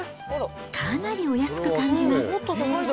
かなりお安く感じます。